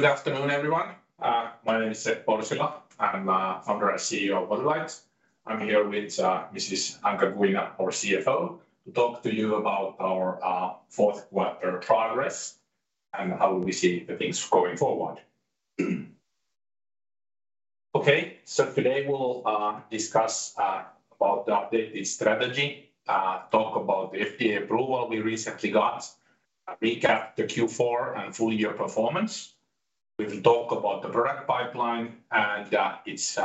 Good afternoon, everyone. My name is Seppo Orsila. I'm founder and CEO of Modulight. I'm here with Mrs. Anca Guina, our CFO, to talk to you about our fourth quarter progress and how we see the things going forward. Today we'll discuss about the updated strategy, talk about the FDA approval we recently got, recap the Q4 and full year performance. We will talk about the product pipeline and its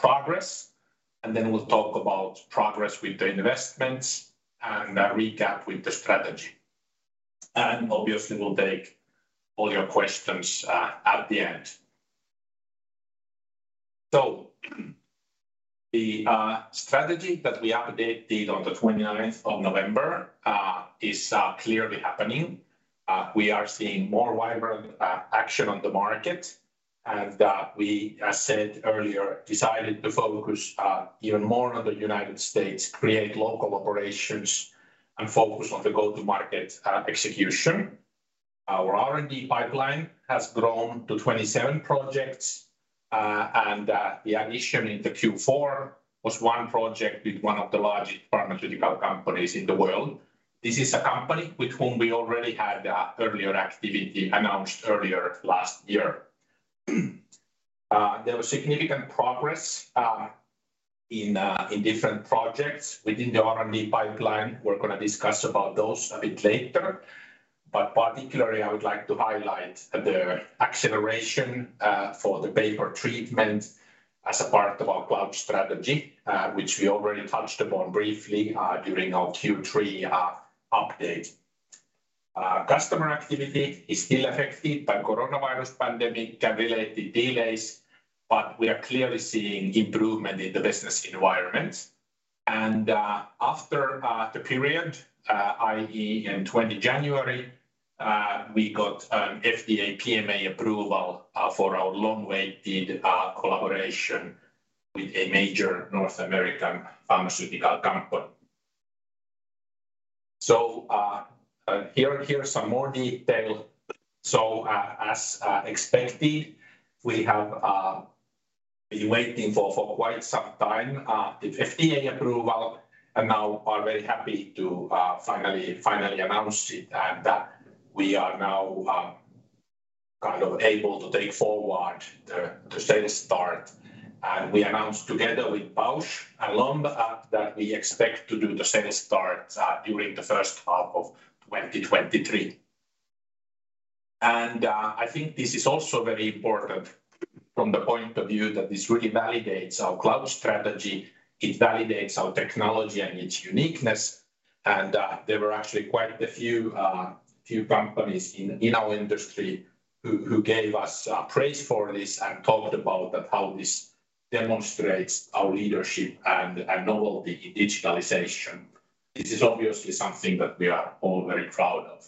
progress, and then we'll talk about progress with the investments and recap with the strategy. Obviously we'll take all your questions at the end. The strategy that we updated on the 29th of November, is clearly happening. We are seeing more vibrant action on the market, we, as said earlier, decided to focus even more on the United States, create local operations and focus on the go-to-market execution. Our R&D pipeline has grown to 27 projects, and the addition in the Q4 was one project with one of the largest pharmaceutical companies in the world. This is a company with whom we already had earlier activity announced earlier last year. There was significant progress in different projects within the R&D pipeline. We're gonna discuss about those a bit later, but particularly I would like to highlight the acceleration for the vapor treatment as a part of our cloud strategy, which we already touched upon briefly during our Q3 update. Customer activity is still affected by coronavirus pandemic and related delays, but we are clearly seeing improvement in the business environment. After the period, i.e. in 20 January, we got an FDA PMA approval for our long-waited collaboration with a major North American pharmaceutical company. Here's some more detail. As expected, we have been waiting for quite some time, the FDA approval and now are very happy to finally announce it and that we are now kind of able to take forward the sales start. We announced together with Bausch + Lomb that we expect to do the sales start during the first half of 2023. I think this is also very important from the point of view that this really validates our cloud strategy, it validates our technology and its uniqueness, there were actually quite a few companies in our industry who gave us praise for this and talked about that how this demonstrates our leadership and novelty in digitalization. This is obviously something that we are all very proud of.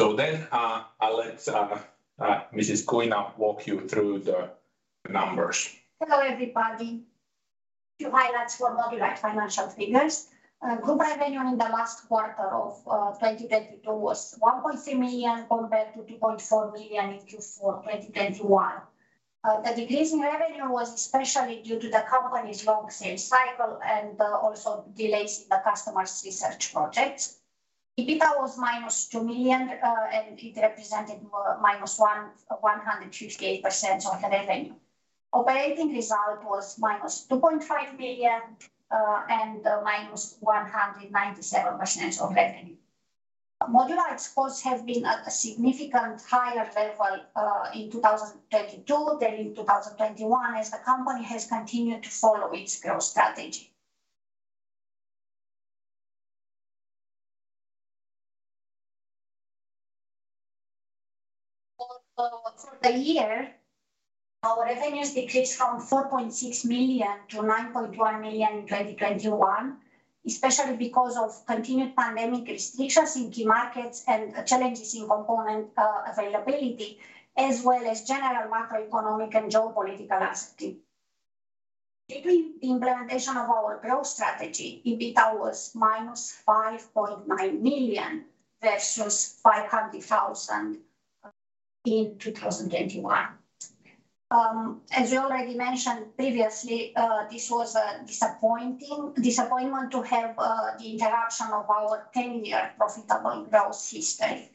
I'll let Mrs. Guina walk you through the numbers. Hello, everybody. A few highlights for Modulight financial figures. Group revenue in the last quarter of 2022 was 1.3 million compared to 2.4 million in Q4 2021. The decrease in revenue was especially due to the company's long sales cycle and also delays in the customer's research projects. EBITDA was -2 million, and it represented -158% of the revenue. Operating result was -2.5 million, and -197% of revenue. Modulight's costs have been at a significant higher level in 2022 than in 2021 as the company has continued to follow its growth strategy. For the year, our revenues decreased from 4.6 million to 9.1 million in 2021, especially because of continued pandemic restrictions in key markets and challenges in component availability as well as general macroeconomic and geopolitical uncertainty. During the implementation of our growth strategy, EBITDA was minus 5.9 million versus 500,000 in 2021. As we already mentioned previously, this was a disappointment to have the interruption of our 10-year profitable growth history.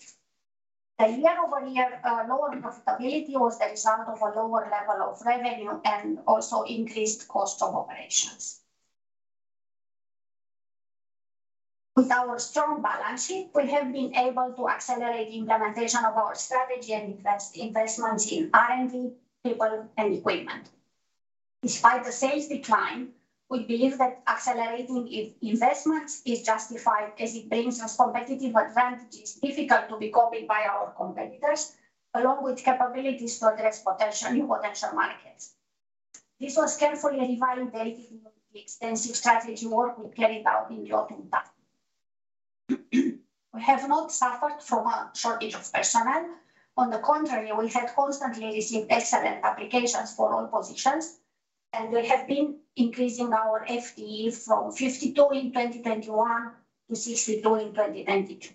The year-over-year lower profitability was the result of a lower level of revenue and also increased cost of operations. With our strong balance sheet, we have been able to accelerate the implementation of our strategy and investments in R&D, people and equipment. Despite the sales decline, we believe that accelerating in-investments is justified as it brings us competitive advantages difficult to be copied by our competitors, along with capabilities to address new potential markets. This was carefully reevaluated with the extensive strategy work we carried out in the opening time. We have not suffered from a shortage of personnel. On the contrary, we have constantly received excellent applications for all positions. We have been increasing our FTE from 52 in 2021 to 62 in 2022.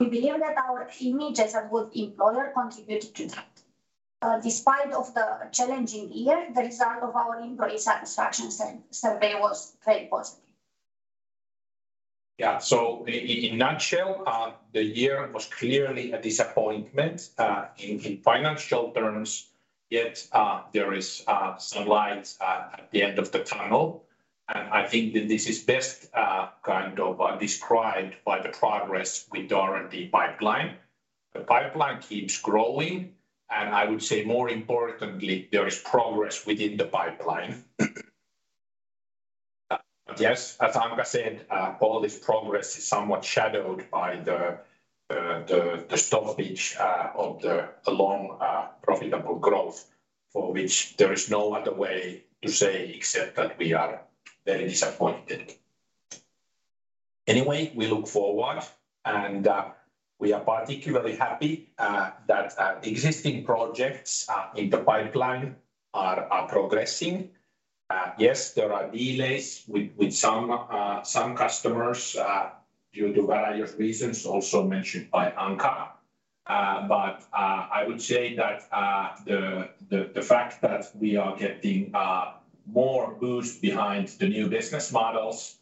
We believe that our image as a good employer contributed to that. Despite of the challenging year, the result of our employee satisfaction survey was very positive. Yeah. In a nutshell, the year was clearly a disappointment in financial terms, yet there is some light at the end of the tunnel. I think that this is best kind of described by the progress with R&D pipeline. The pipeline keeps growing, and I would say more importantly, there is progress within the pipeline. Yes, as Anca said, all this progress is somewhat shadowed by the stoppage of the long profitable growth for which there is no other way to say, except that we are very disappointed. Anyway, we look forward and we are particularly happy that existing projects in the pipeline are progressing. Yes, there are delays with some customers due to various reasons also mentioned by Anca. I would say that the fact that we are getting more boost behind the new business models,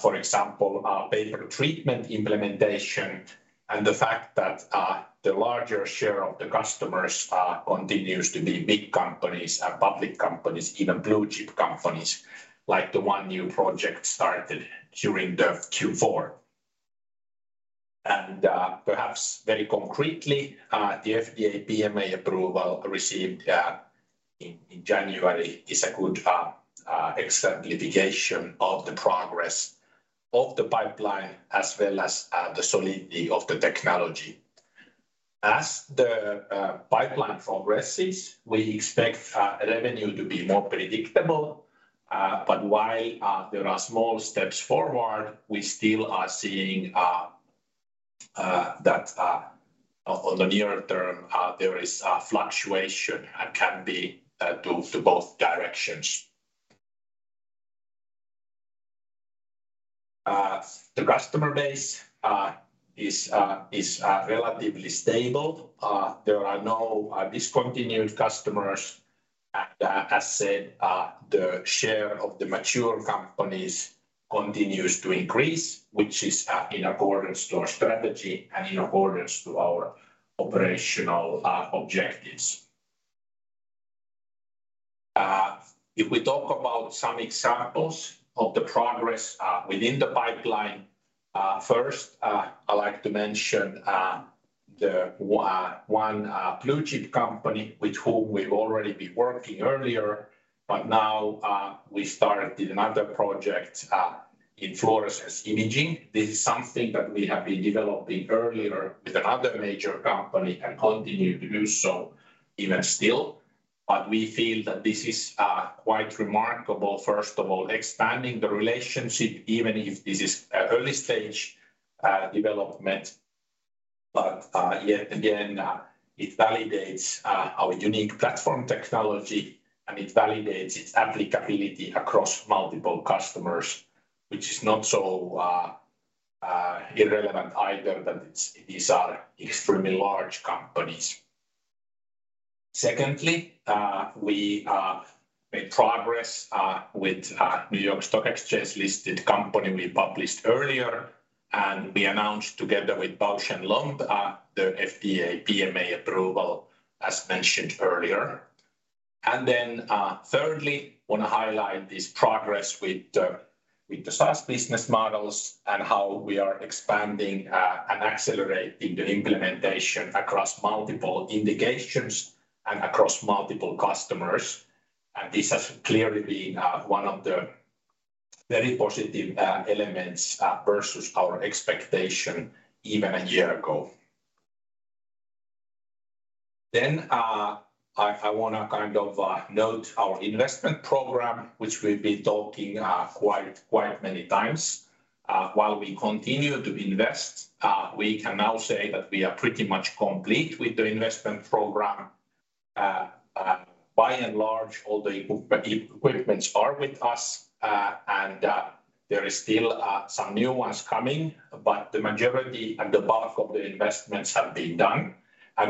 for example, pay per treatment implementation and the fact that the larger share of the customers continues to be big companies and public companies, even blue chip companies, like the one new project started during the Q4. Perhaps very concretely, the FDA PMA approval received in January is a good exemplification of the progress of the pipeline as well as the solidity of the technology. As the pipeline progresses, we expect revenue to be more predictable. While there are small steps forward, we still are seeing that on the near term, there is a fluctuation and can be to both directions. The customer base is relatively stable. There are no discontinued customers, and as said, the share of the mature companies continues to increase, which is in accordance to our strategy and in accordance to our operational objectives. If we talk about some examples of the progress within the pipeline, first, I'd like to mention one blue chip company with whom we've already been working earlier, but now, we started another project in fluorescence imaging. This is something that we have been developing earlier with another major company and continue to do so even still. We feel that this is quite remarkable, first of all, expanding the relationship, even if this is early stage development. Yet again, it validates our unique platform technology, and it validates its applicability across multiple customers, which is not so irrelevant either that these are extremely large companies. Secondly, we made progress with a New York Stock Exchange-listed company we published earlier, and we announced together with Bausch + Lomb, the FDA PMA approval as mentioned earlier. Thirdly, want to highlight this progress with the SaaS business models and how we are expanding and accelerating the implementation across multiple indications and across multiple customers. This has clearly been one of the very positive elements versus our expectation even a year ago. I wanna kind of note our investment program, which we've been talking quite many times. While we continue to invest, we can now say that we are pretty much complete with the investment program. By and large, all the equipments are with us, and there is still some new ones coming, but the majority and the bulk of the investments have been done.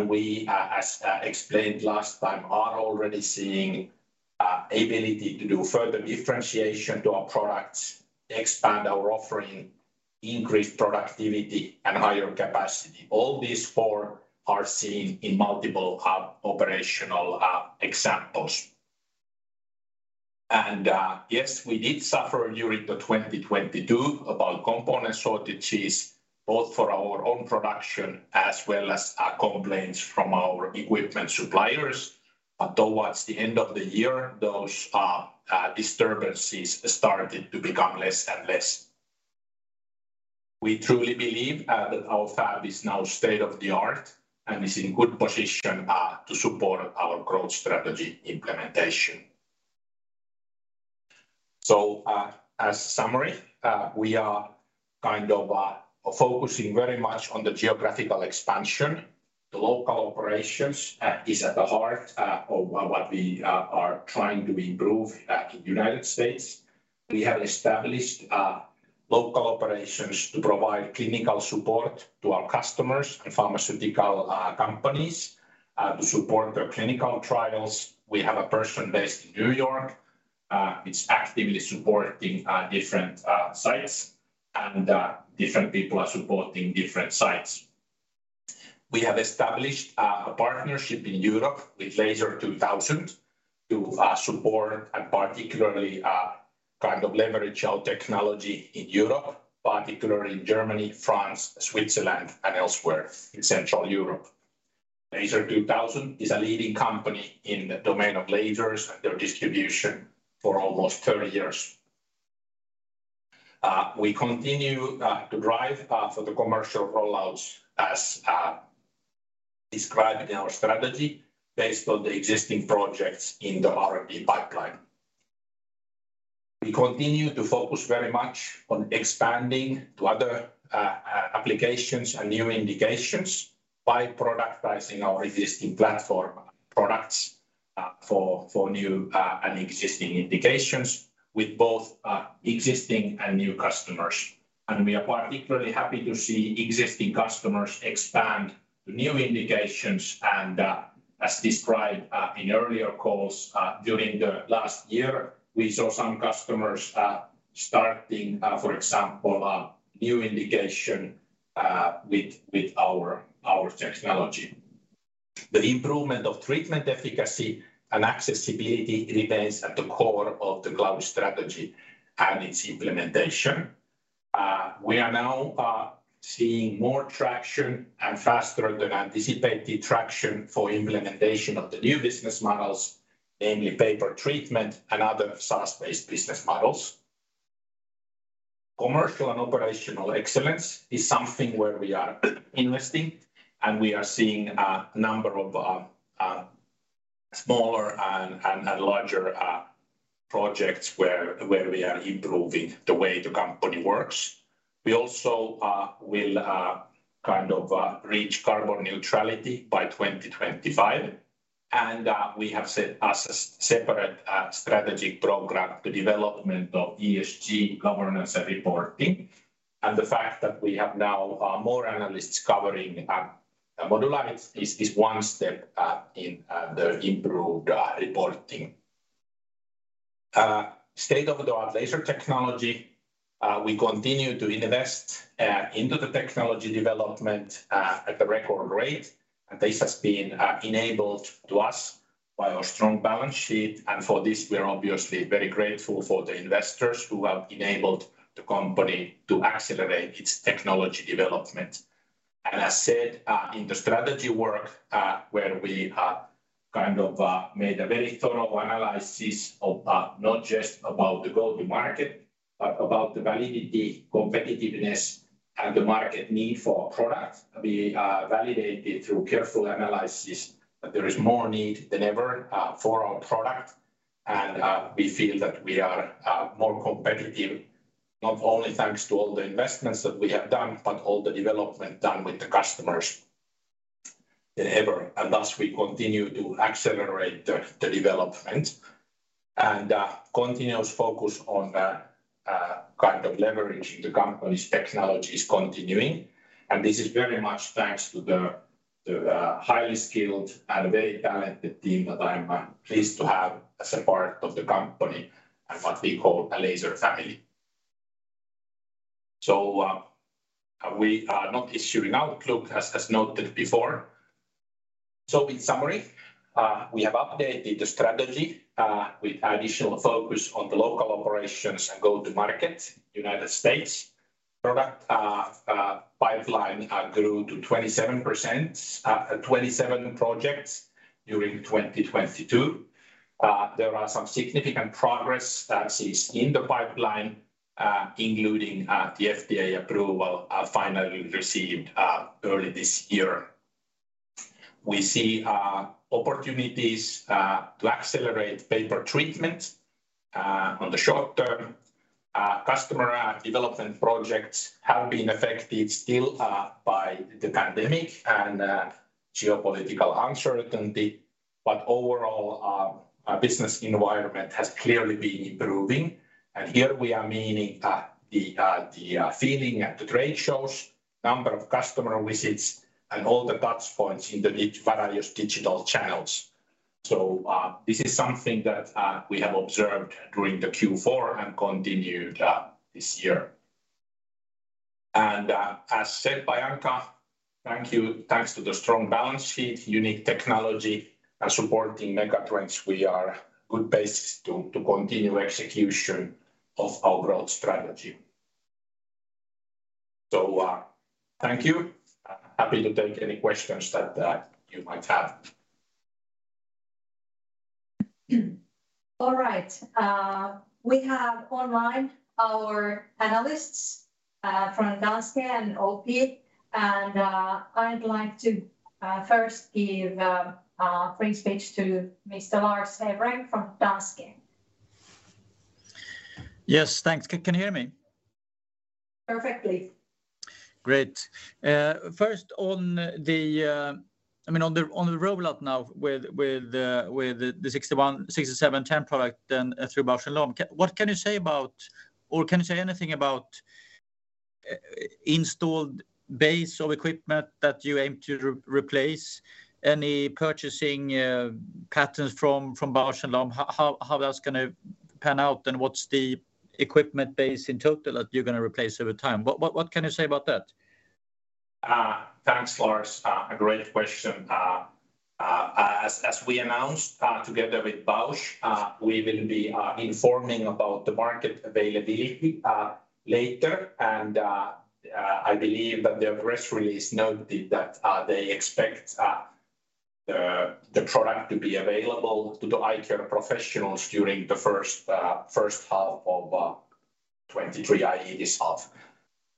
We, as explained last time, are already seeing ability to do further differentiation to our products, expand our offering, increase productivity, and higher capacity. All these four are seen in multiple operational examples. Yes, we did suffer during 2022 about component shortages, both for our own production as well as complaints from our equipment suppliers. Towards the end of the year, those disturbances started to become less and less. We truly believe that our fab is now state-of-the-art and is in good position to support our growth strategy implementation. As summary, we are kind of focusing very much on the geographical expansion. The local operations is at the heart of what we are trying to improve at United States. We have established local operations to provide clinical support to our customers and pharmaceutical companies to support their clinical trials. We have a person based in New York, which actively supporting different sites and different people are supporting different sites. We have established a partnership in Europe with Laser 2000 to support and particularly kind of leverage our technology in Europe, particularly in Germany, France, Switzerland and elsewhere in Central Europe. Laser 2000 is a leading company in the domain of lasers and their distribution for almost 30 years. We continue to drive for the commercial rollouts as described in our strategy based on the existing projects in the R&D pipeline. We continue to focus very much on expanding to other applications and new indications by productizing our existing platform products for new and existing indications with both existing and new customers. We are particularly happy to see existing customers expand to new indications and, as described in earlier calls, during the last year, we saw some customers starting, for example, a new indication with our technology. The improvement of treatment efficacy and accessibility remains at the core of the growth strategy and its implementation. We are now seeing more traction and faster than anticipated traction for implementation of the new business models, namely pay per treatment and other SaaS-based business models. Commercial and operational excellence is something where we are investing, and we are seeing a number of smaller and larger projects where we are improving the way the company works. We also will reach carbon neutrality by 2025, and we have set as a separate strategic program the development of ESG governance and reporting. The fact that we have now more analysts covering Modulight is one step in the improved reporting. State-of-the-art laser technology. We continue to invest into the technology development at a record rate, and this has been enabled to us by our strong balance sheet. For this, we are obviously very grateful for the investors who have enabled the company to accelerate its technology development. As said, in the strategy work, where we made a very thorough analysis of not just about the go-to-market, but about the validity, competitiveness and the market need for our product. We validated through careful analysis that there is more need than ever for our product. We feel that we are more competitive, not only thanks to all the investments that we have done, but all the development done with the customers than ever. Thus we continue to accelerate the development. Continuous focus on kind of leveraging the company's technology is continuing, and this is very much thanks to the highly skilled and very talented team that I am pleased to have as a part of the company and what we call a laser family. We are not issuing outlook as noted before. In summary, we have updated the strategy with additional focus on the local operations and go-to-market United States product. Pipeline grew to 27%, 27 projects during 2022. There are some significant progress that is in the pipeline, including the FDA approval finally received early this year. We see opportunities to accelerate pay per treatment on the short term. Customer development projects have been affected still by the pandemic and geopolitical uncertainty, overall business environment has clearly been improving. Here we are meaning the feeling at the trade shows, number of customer visits and all the touchpoints in the various digital channels. This is something that we have observed during the Q4 and continued this year. As said by Anca, thank you. Thanks to the strong balance sheet, unique technology and supporting megatrends, we are good placed to continue execution of our growth strategy. Thank you and happy to take any questions that you might have. All right. We have online our analysts.from Danske and OP. I'd like to first give a free speech to Mr. Lars Hevreng from Danske. Yes. Thanks. Can you hear me? Perfectly. Great. First on the, I mean, on the rollout now with the 61, 67 turn product then through Bausch + Lomb, what can you say about, or can you say anything about installed base of equipment that you aim to re-replace? Any purchasing patterns from Bausch + Lomb? How that's gonna pan out, what's the equipment base in total that you're gonna replace over time? What can you say about that? Thanks, Lars. A great question. As we announced, together with Bausch, we will be informing about the market availability later. I believe that their press release noted that they expect the product to be available to the eye care professionals during the first half of '23, i.e., this half.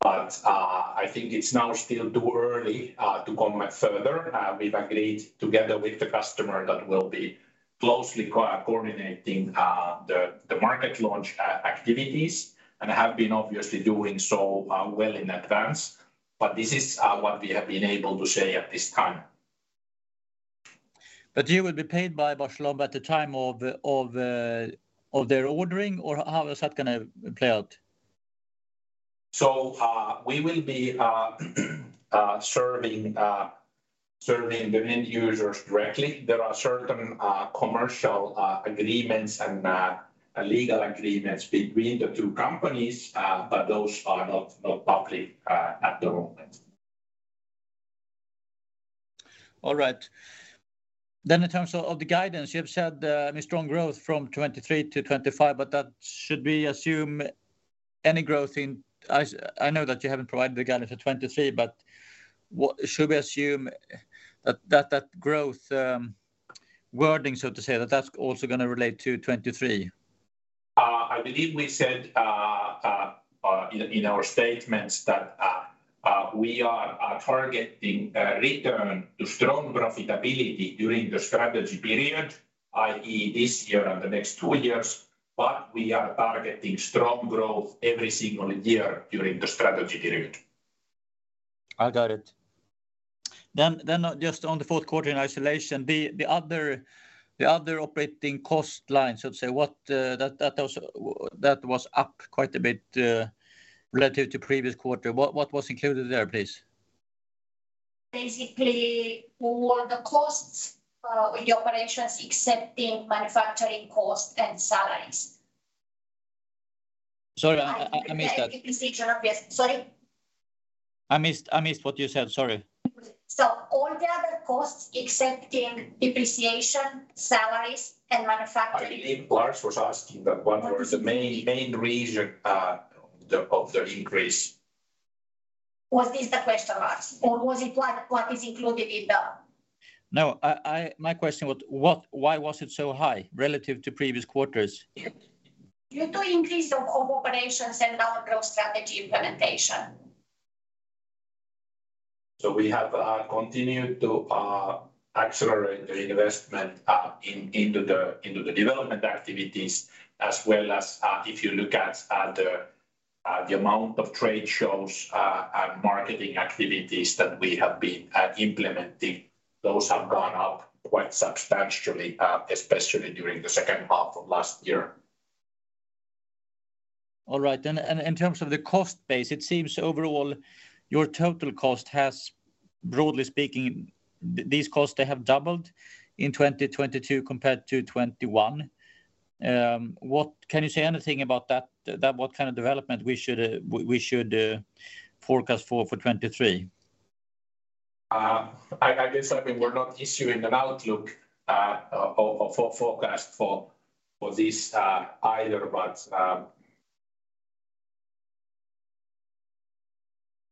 I think it's now still too early to comment further. We've agreed together with the customer that we'll be closely coordinating the market launch activities and have been obviously doing so well in advance. This is what we have been able to say at this time. You will be paid by Bausch + Lomb at the time of their ordering, or how is that gonna play out? We will be serving the end users directly. There are certain commercial agreements and legal agreements between the two companies, but those are not public at the moment. All right. In terms of the guidance, you have said, I mean, strong growth from 2023 to 2025, that should be assumed any growth. I know that you haven't provided the guidance for 2023, what? Should we assume that growth, wording, so to say, that that's also gonna relate to 2023? I believe we said, in our statements that, we are targeting a return to strong profitability during the strategy period, i.e., this year and the next two years. We are targeting strong growth every single year during the strategy period. I got it. Just on the fourth quarter in isolation, the other operating cost line, so to say, what. That also, that was up quite a bit relative to previous quarter. What was included there, please? Basically, all the costs, with the operations, excepting manufacturing cost and salaries. Sorry, I missed that. Depreciation... Sorry? I missed what you said. Sorry. All the other costs excepting depreciation, salaries, and manufacturing. I believe Lars was asking that what was the main reason, the, of the increase. Was this the question, Lars? Was it what is included in the- No. My question was why was it so high relative to previous quarters? Due to increase of cooperations and our growth strategy implementation. We have continued to accelerate the investment into the development activities, as well as, if you look at the amount of trade shows and marketing activities that we have been implementing, those have gone up quite substantially, especially during the second half of last year. All right. In terms of the cost base, it seems overall your total cost has, broadly speaking, these costs, they have doubled in 2022 compared to 2021. Can you say anything about that, what kind of development we should forecast for 2023? I guess, I mean, we're not issuing an outlook, or forecast for this, either.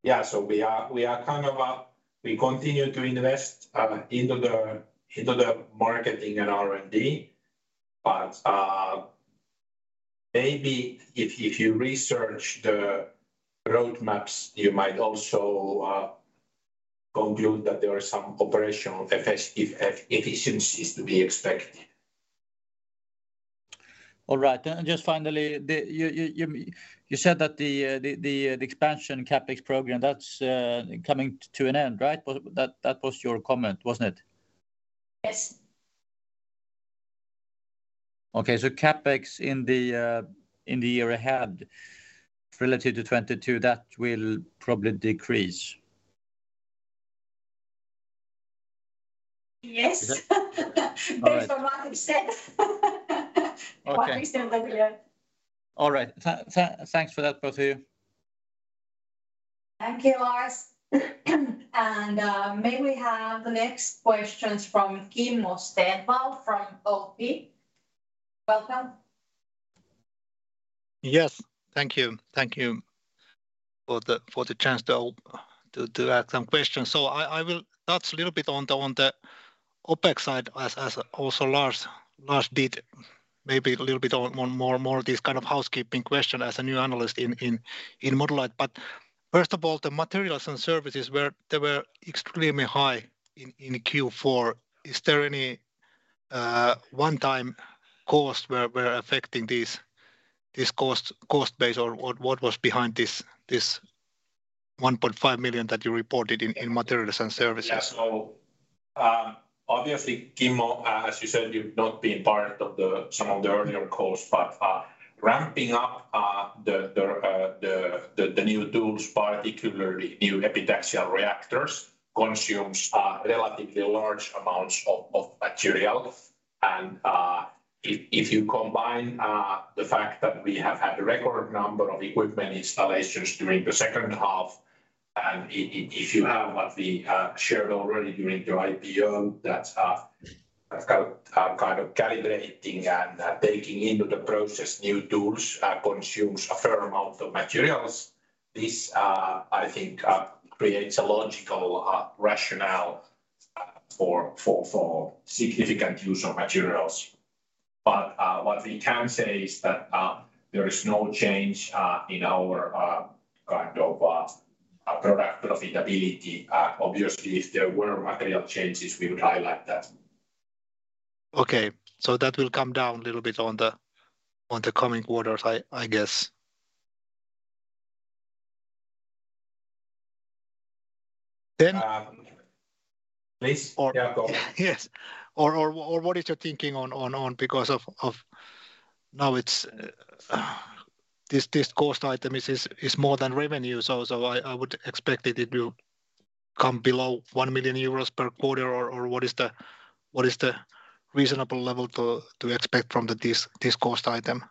Yeah, so we are kind of. We continue to invest into the marketing and R&D. Maybe if you research the roadmaps, you might also conclude that there are some operational efficiencies to be expected. All right. Just finally, the you said that the expansion CapEx program, that's coming to an end, right? That was your comment, wasn't it? Yes. Okay. CapEx in the year ahead, relative to 2022, that will probably decrease. Yes. Okay. Based on what you said. Okay. What we said earlier. All right. Thanks for that, both of you. Thank you, Lars. May we have the next questions from Kimmo Stenvall from OP. Welcome. Yes. Thank you. Thank you for the chance to ask some questions. I will touch a little bit on the OPEX side as also Lars did maybe a little bit on more this kind of housekeeping question as a new analyst in Modulight. First of all, the materials and services were they were extremely high in Q4. Is there any one-time cost affecting this cost base, or what was behind this 1.5 million that you reported in materials and services? Yeah. Obviously, Kimmo, as you said, you've not been part of some of the earlier calls. Ramping up the new tools, particularly new epitaxial reactors, consumes relatively large amounts of material. If you combine the fact that we have had a record number of equipment installations during the second half, and if you have what we shared already during the IPO that kind of calibrating and taking into the process new tools consumes a fair amount of materials. This, I think, creates a logical rationale for significant use of materials. What we can say is that there is no change in our kind of product profitability. Obviously if there were material changes, we would highlight that. Okay. That will come down a little bit on the coming quarters I guess. Please. Yeah, go on. Yes. What is your thinking on because of now it's this cost item is more than revenue, so I would expect it to come below 1 million euros per quarter? What is the reasonable level to expect from this cost item?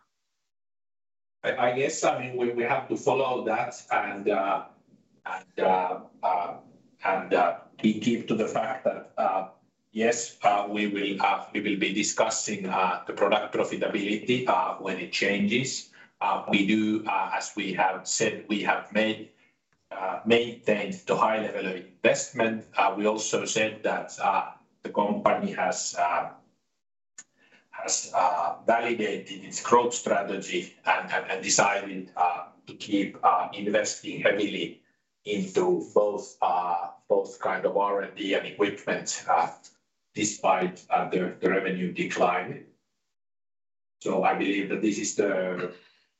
I guess, I mean, we have to follow that and we keep to the fact that, yes, we will be discussing the product profitability when it changes. We do, as we have said, we have maintained the high level of investment. We also said that the company has validated its growth strategy and decided to keep investing heavily into both kind of R&D and equipment despite the revenue decline. I believe that this is the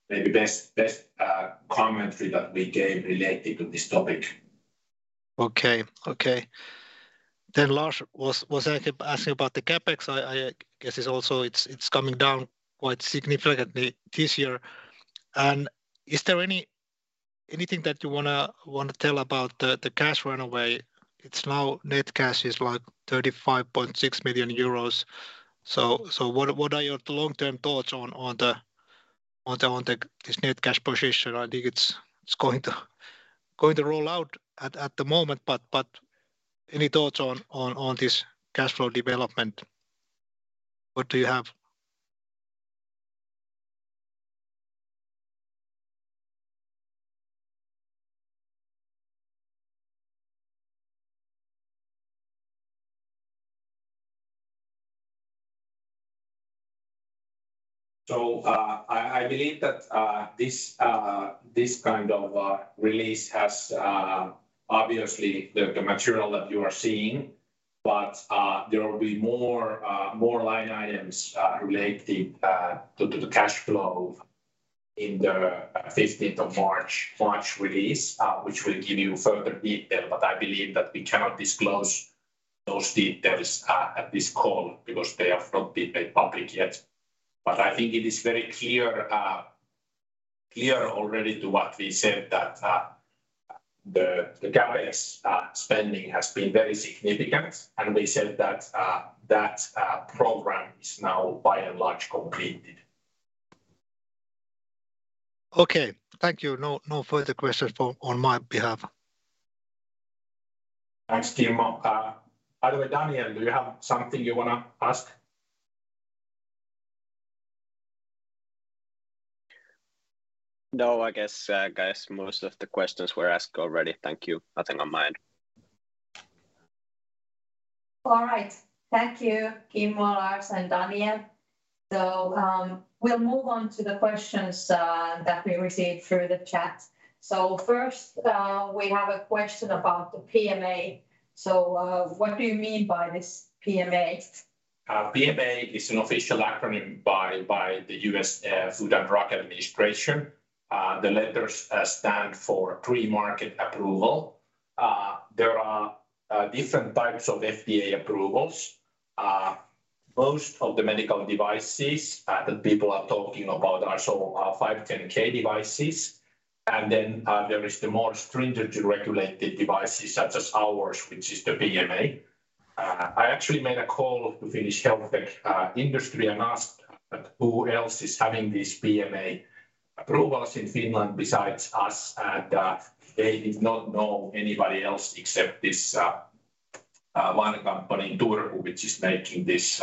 maybe best commentary that we gave related to this topic. Okay. Okay. Lars was asking about the CapEx. I guess it's coming down quite significantly this year. Is there anything that you wanna tell about the cash run away? It's now net cash is like 35.6 million euros. What are your long-term thoughts on the this net cash position? I think it's going to roll out at the moment, any thoughts on this cash flow development? What do you have? I believe that this kind of release has obviously the material that you are seeing. There will be more line items related to the cash flow in the 15th of March release, which will give you further detail. I believe that we cannot disclose those details at this call because they have not been made public yet. I think it is very clear already to what we said, that the CapEx spending has been very significant, and we said that that program is now by and large completed. Okay. Thank you. No, no further questions on my behalf. Thanks, Kimmo. By the way, Daniel, do you have something you wanna ask? No, I guess, guys, most of the questions were asked already. Thank you. Nothing on mind. All right. Thank you, Kimmo, Lars, and Daniel. We'll move on to the questions that we received through the chat. First, we have a question about the PMA. What do you mean by this PMA? PMA is an official acronym by the U.S. Food and Drug Administration. The letters stand for Premarket Approval. There are different types of FDA approvals. Most of the medical devices that people are talking about are so, 510(k) devices. Then there is the more stringent regulated devices such as ours, which is the PMA. I actually made a call to Finnish health tech industry and asked that who else is having these PMA approvals in Finland besides us, and they did not know anybody else except this one company in Turku which is making this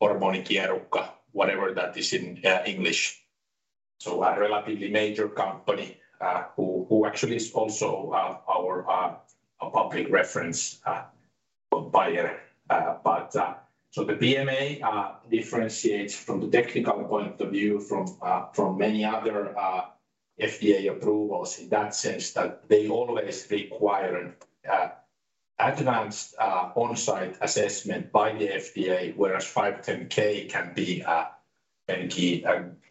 hormonikierukka, whatever that is in English. A relatively major company, who actually is also our public reference buyer. The PMA differentiates from the technical point of view from many other FDA approvals in that sense that they always require an advanced on-site assessment by the FDA, whereas 510(k)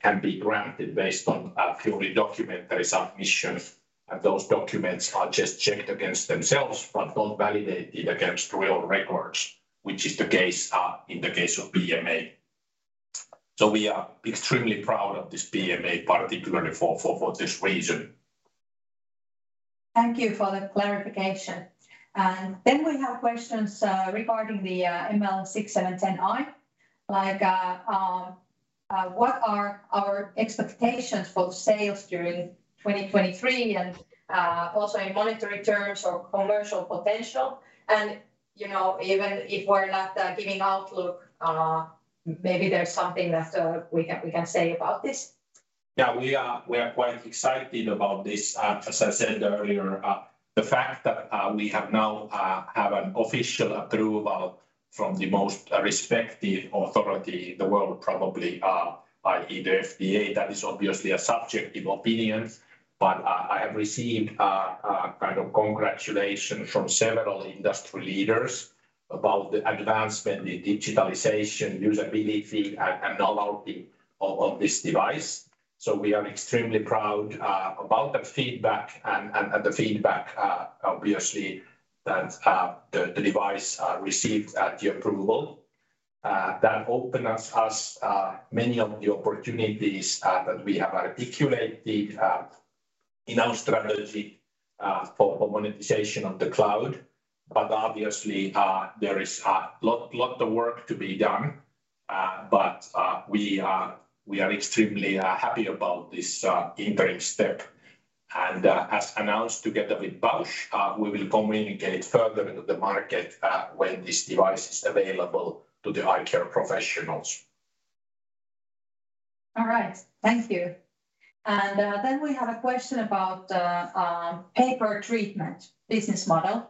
can be granted based on a purely documentary submission. Those documents are just checked against themselves but not validated against real records, which is the case in the case of PMA. We are extremely proud of this PMA, particularly for this reason. Thank you for the clarification. We have questions regarding the ML6710i. Like, what are our expectations for sales during 2023 and also in monetary terms or commercial potential? You know, even if we're not giving outlook, maybe there's something that we can say about this. Yeah, we are quite excited about this. As I said earlier, the fact that we have now have an official approval from the most respected authority in the world, probably, i.e. the FDA, that is obviously a subjective opinion. I have received kind of congratulations from several industry leaders about the advancement, the digitalization, usability and durability of this device. We are extremely proud about the feedback and the feedback obviously that the device received at the approval. That opened us many of the opportunities that we have articulated in our strategy for monetization of the cloud. Obviously, there is lot of work to be done. We are extremely happy about this interim step. As announced together with Bausch, we will communicate further into the market when this device is available to the eye care professionals. All right. Thank you. Then we have a question about pay per treatment business model.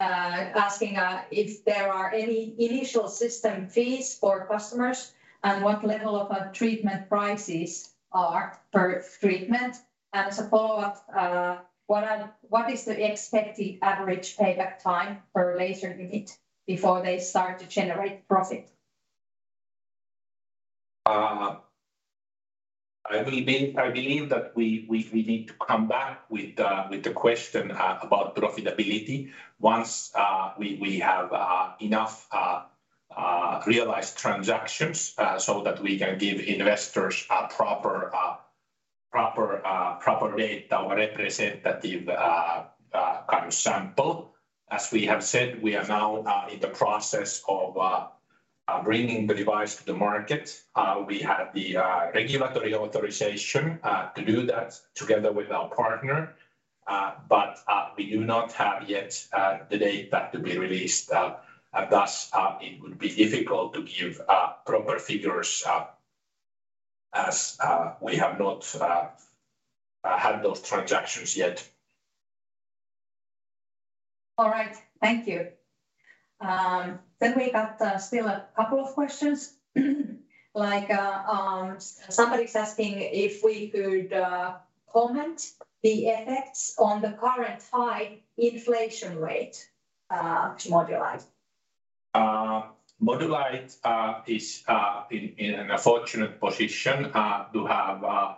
Asking if there are any initial system fees for customers, and what level of treatment prices are per treatment? As a follow-up, what is the expected average payback time per laser unit before they start to generate profit? I believe that we need to come back with the question about profitability once we have enough realized transactions so that we can give investors a proper data representative kind of sample. As we have said, we are now in the process of bringing the device to the market. We have the regulatory authorization to do that together with our partner. We do not have yet the date that to be released. Thus, it would be difficult to give proper figures as we have not had those transactions yet. All right. Thank you. We got still a couple of questions. Like, somebody's asking if we could comment the effects on the current high inflation rate to Modulight. Modulight is in a fortunate position to have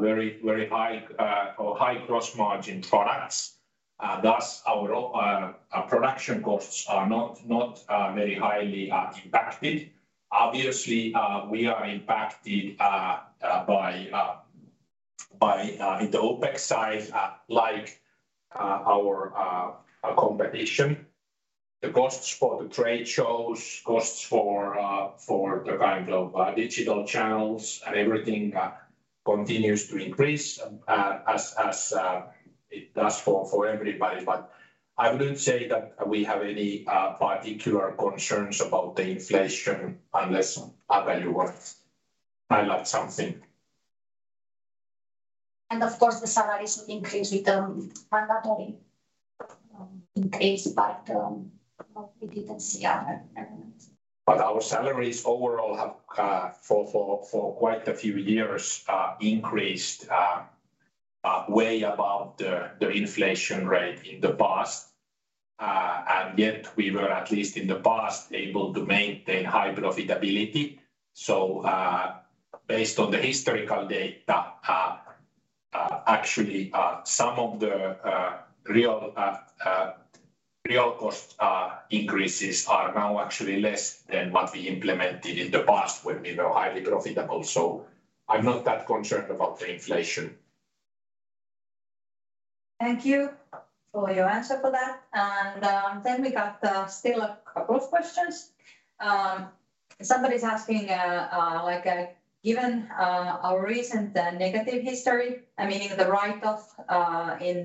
very, very high or high gross margin products. Thus, our production costs are not very highly impacted. Obviously, we are impacted by in the OPEX side, like our competition. The costs for the trade shows, costs for the kind of digital channels and everything continues to increase as it does for everybody. I wouldn't say that we have any particular concerns about the inflation unless Anca wants to highlight something. Of course, the salaries should increase with the mandatory increase. We didn't see other elements. Our salaries overall have, for quite a few years, increased, way above the inflation rate in the past. We were, at least in the past, able to maintain high profitability. Based on the historical data, actually, some of the real cost, increases are now actually less than what we implemented in the past when we were highly profitable. I'm not that concerned about the inflation. Thank you for your answer for that. Then we got still a couple of questions. Somebody's asking, like, given our recent negative history, I meaning the write-off in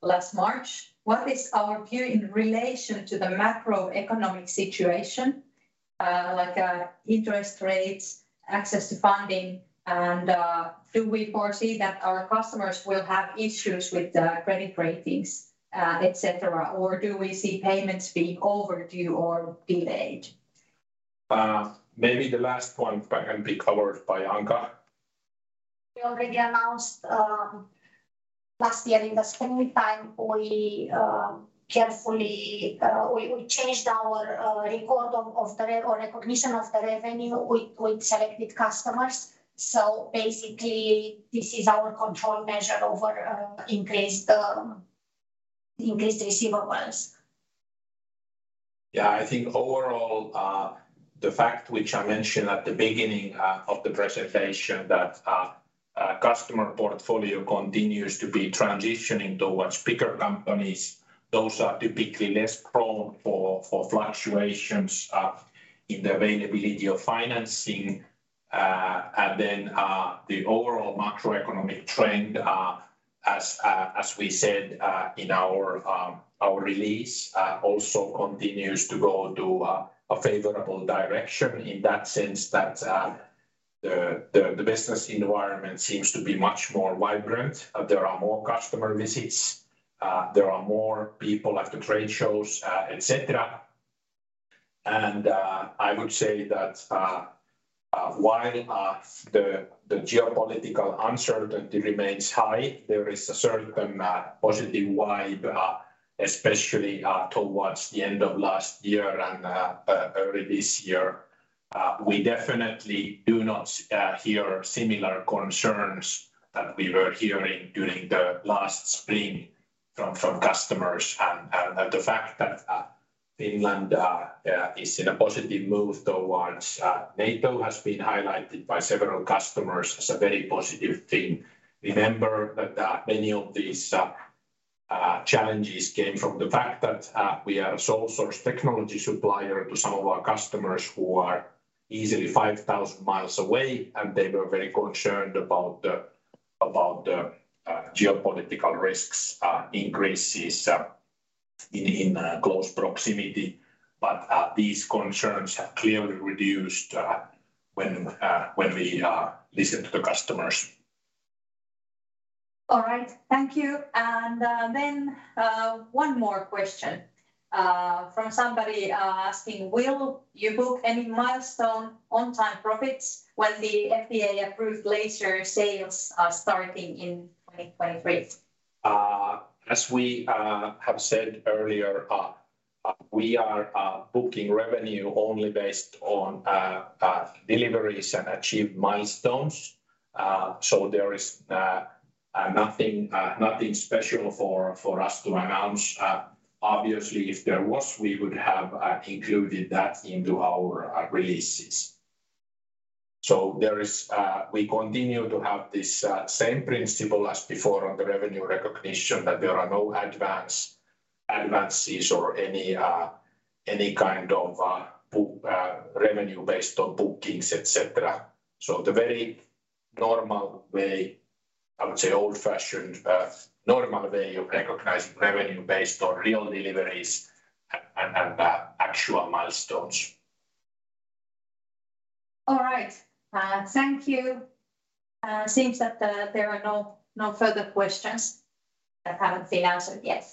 last March, what is our view in relation to the macroeconomic situation? Like, interest rates, access to funding, and, do we foresee that our customers will have issues with the credit ratings, et cetera, or do we see payments being overdue or delayed? Maybe the last one can be covered by Anca. We already announced, last year in the spring time, we changed our record of the recognition of the revenue with selected customers. Basically, this is our control measure over increased receivables. I think overall, the fact which I mentioned at the beginning of the presentation that customer portfolio continues to be transitioning towards bigger companies, those are typically less prone for fluctuations in the availability of financing. The overall macroeconomic trend, as we said in our release, also continues to go to a favorable direction in that sense that the business environment seems to be much more vibrant. There are more customer visits. There are more people at the trade shows, et cetera. I would say that while the geopolitical uncertainty remains high, there is a certain positive vibe, especially towards the end of last year and early this year. We definitely do not hear similar concerns that we were hearing during the last spring from customers. The fact that Finland is in a positive move towards NATO has been highlighted by several customers as a very positive thing. Remember that many of these challenges came from the fact that we are a sole source technology supplier to some of our customers who are easily 5,000 miles away, and they were very concerned about the geopolitical risks increases in close proximity. These concerns have clearly reduced when we listen to the customers. All right. Thank you. Then, one more question, from somebody, asking: Will you book any milestone on time profits when the FDA-approved laser sales are starting in 2023? As we have said earlier, we are booking revenue only based on deliveries and achieved milestones. There is nothing special for us to announce. Obviously, if there was, we would have included that into our releases. There is. We continue to have this same principle as before on the revenue recognition that there are no advances or any kind of revenue based on bookings, et cetera. The very normal way, I would say old-fashioned, normal way of recognizing revenue based on real deliveries and actual milestones. All right. Thank you. Seems that there are no further questions that haven't been answered yet.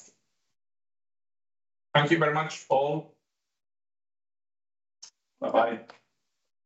Thank you very much, all. Bye-bye.